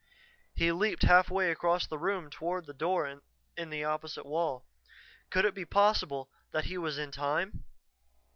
He leaped halfway across the room toward the door in the opposite wall. Could it be possible that he was in time?